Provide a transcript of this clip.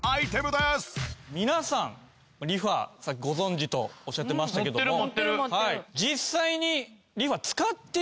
皆さんリファさっきご存じとおっしゃってましたけども。